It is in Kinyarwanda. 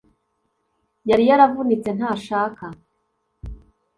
yari yaravunitse, ntashaka